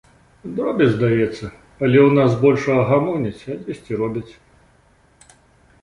Дробязь, здаецца, але ў нас з большага гамоняць, а дзесьці робяць.